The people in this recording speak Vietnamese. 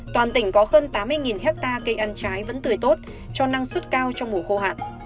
toàn tỉnh có hơn tám mươi hectare cây ăn trái vẫn tươi tốt cho năng suất cao trong mùa khô hạn